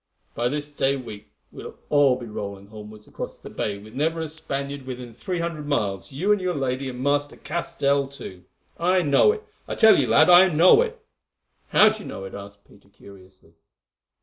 By this day week we will all be rolling homewards across the Bay with never a Spaniard within three hundred miles, you and your lady and Master Castell, too. I know it! I tell you, lad, I know it!" "How do you know it?" asked Peter curiously.